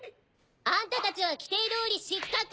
アンタたちは規定どおり失格！